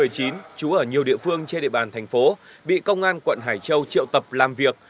trú ở nhiều địa phương trên địa bàn thành phố bị công an quận hải châu triệu tập làm việc